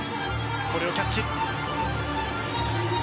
これをキャッチ。